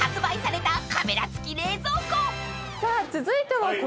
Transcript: ［続いては］